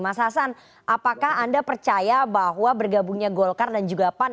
mas hasan apakah anda percaya bahwa bergabungnya golkar dan juga pan